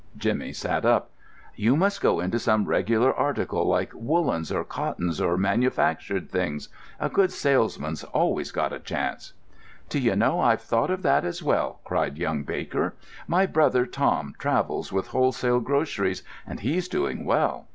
Jimmy sat up. "You must get into some regular article like woollens or cottons or manufactured things—a good salesman's always got a chance." "D'you know, I've thought of that as well?" cried young Baker. "My brother Tom travels with wholesale groceries, and he's doing well."